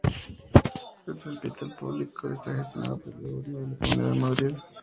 Este hospital público está gestionado por el gobierno de la Comunidad de Madrid.